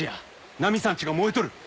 ナミさんちが燃えとる。